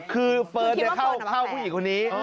คือเฟิร์นเข้าผู้หญิงคนนี้